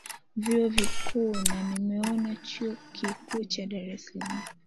vyuo vikuu na nimeona chuo kikuu cha dar es salaam